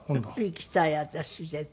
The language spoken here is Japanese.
行きたい私絶対。